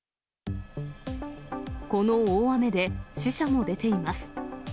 この大雨で死者も出ています。